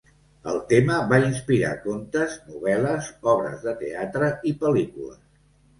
El tema va inspirar contes, novel·les, obres de teatre i pel·lícules.